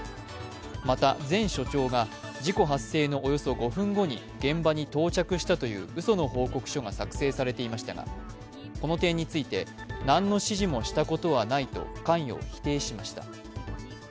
また、前署長が事故発生のおよそ５分後に現場に到着したといううその報告書が作成されていましたがこの点について何の指示もしたことはないと関与を否定しました。